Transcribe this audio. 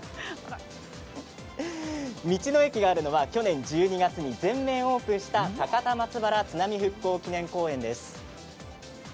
道の駅があるのは去年１２月に全面オープンした高田松原津波復興祈念公園です。